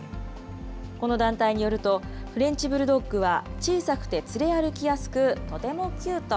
この団体によると、フレンチブルドッグは小さくて連れ歩きやすく、とてもキュート。